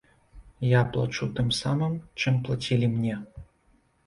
Я плачу тым самым, чым плацілі мне.